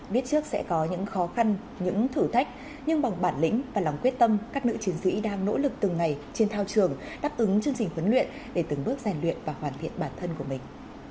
biết trước sẽ có những khó khăn những thử thách nhưng bằng bản lĩnh và lòng quyết tâm các nữ chiến sĩ đang nỗ lực từng ngày trên thao trường đáp ứng chương trình huấn luyện để từng bước rèn luyện và hoàn thiện bản thân của mình